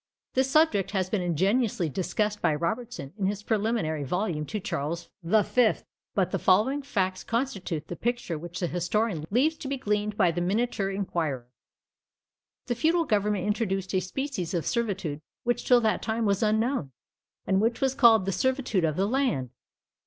This subject has been ingeniously discussed by Robertson in his preliminary volume to Charles V.; but the following facts constitute the picture which the historian leaves to be gleaned by the minuter inquirer. The feudal government introduced a species of servitude which till that time was unknown, and which was called the servitude of the land.